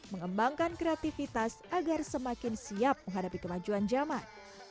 mengembangkan kreativitas agar semakin siap menghadapi kemajuan zaman